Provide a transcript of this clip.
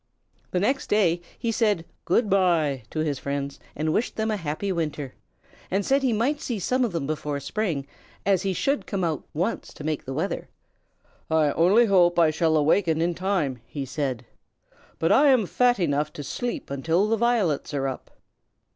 The next day he said "good by" to his friends, wished them a happy winter, and said he might see some of them before spring, as he should come out once to make the weather. "I only hope I shall awaken in time," he said, "but I am fat enough to sleep until the violets are up."